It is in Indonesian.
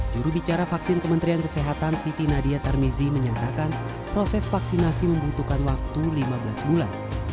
jurubicara vaksin kementerian kesehatan siti nadia tarmizi menyatakan proses vaksinasi membutuhkan waktu lima belas bulan